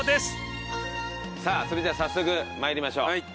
さあそれじゃあ早速参りましょう。